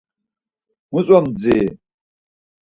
Muç̌o mdziri?